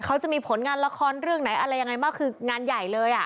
เขาจะมีผลงานละครเรื่องไหนอะไรยังไงมากคืองานใหญ่เลยอ่ะ